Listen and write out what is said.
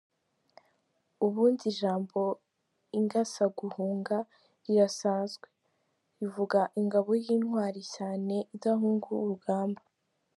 Ubundi ijambo ingasaguhunga rirasanzwe rivuga ingabo y’intwari cyane idahunga urugamba .